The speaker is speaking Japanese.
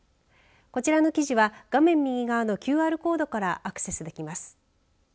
こちらの記事は画面右側のＱＲコードからアクセスできます。